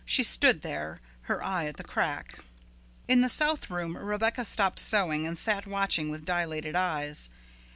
She stood there, her eye at the crack. In the south room Rebecca stopped sewing and sat watching with dilated eyes.